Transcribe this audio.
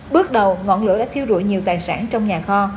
bước đầu ngọn lửa đã thiếu rủi nhiều tài sản trong nhà kho